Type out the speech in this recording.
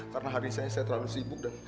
karena hari ini saya terlalu sibuk